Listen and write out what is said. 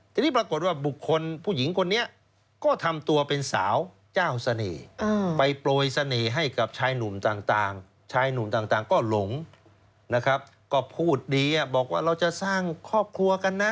ทีนี้ปรากฏว่าบุคคลผู้หญิงคนนี้ก็ทำตัวเป็นสาวเจ้าเสน่ห์ไปโปรยเสน่ห์ให้กับชายหนุ่มต่างชายหนุ่มต่างก็หลงนะครับก็พูดดีบอกว่าเราจะสร้างครอบครัวกันนะ